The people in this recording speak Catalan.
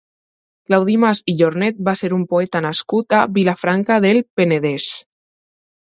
Claudi Mas i Jornet va ser un poeta nascut a Vilafranca del Penedès.